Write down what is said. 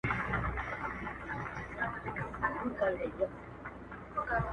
طبیب وویل چي روغه سوې پوهېږم -